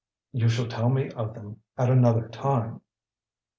"You shall tell me of them at another time."